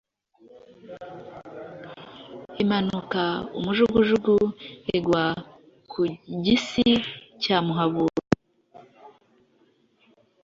imanuka umujugujugu igwa ku gisi cya Muhabura,